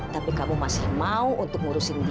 tapi kamu masih mau untuk ngurusin